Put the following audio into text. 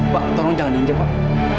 pak tolong jangan injak pak